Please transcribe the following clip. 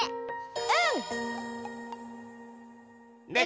うん！